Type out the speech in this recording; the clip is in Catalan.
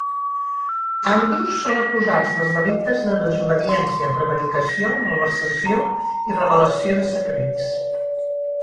Ambdós són acusats dels delictes de desobediència, prevaricació, malversació i revelació de secrets.